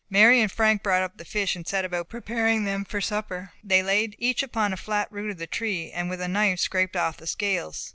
Mary and Frank brought up the fish, and set about preparing them for supper. They laid each upon a flat root of the tree, and with a knife scraped off the scales.